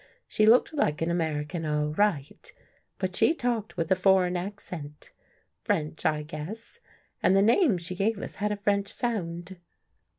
She looked like an American all right, but she talked with a foreign accent — French, I guess, and the name she gave us had a French sound."